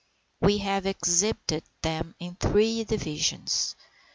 We have exhibited them in three divisions.